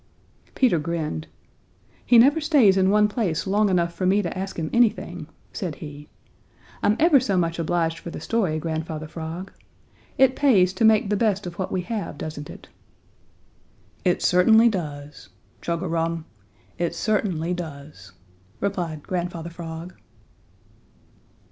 Peter grinned. "He never stays in one place long enough for me to ask him anything," said he. "I'm ever so much obliged for the story, Grandfather Frog. It pays to make the best of what we have, doesn't it?" "It certainly does. Chug a rum! It certainly does!" replied Grandfather Frog.